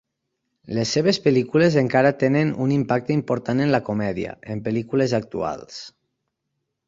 Les seves pel·lícules encara tenen un impacte important en la comèdia, en pel·lícules actuals.